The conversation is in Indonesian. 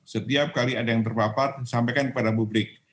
setiap kali ada yang terpapar sampaikan kepada publik